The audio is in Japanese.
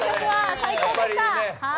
最高でした！